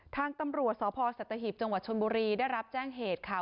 ทางตำรวจสศศัตริหิปจชนบรีได้รับแจ้งเหตุค่ะ